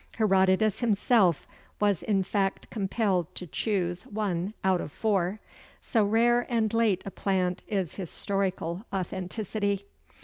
Herodotus himself was in fact compelled to choose one out of four. So rare and late a plant is historical authenticity.